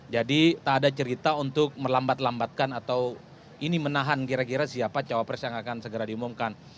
jadi tak ada cerita untuk melambat lambatkan atau ini menahan kira kira siapa cawapres yang akan segera diumumkan